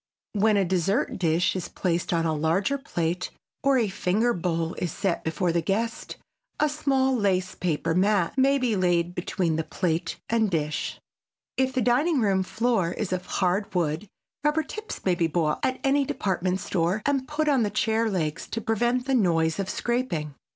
When a dessert dish is placed on a larger plate, or a finger bowl is set before the guest, a small lace paper mat may be laid between plate and dish. If the dining room floor is of hard wood rubber tips may be bought at any department store and put on the chair legs to prevent the noise of scraping.